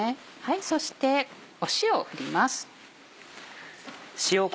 そして塩を振ります。